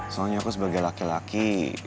soalnya aku sebagai laki laki